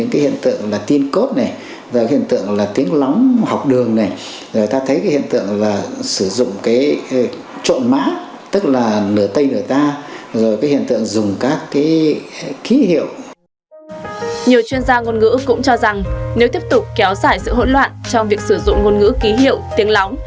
nhiều chuyên gia ngôn ngữ cũng cho rằng nếu tiếp tục kéo xảy sự hỗn loạn trong việc sử dụng ngôn ngữ ký hiệu tiếng lóng